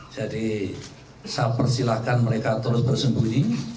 jadi saya persilahkan mereka terus bersembunyi